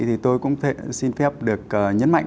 thì tôi cũng xin phép được nhấn mạnh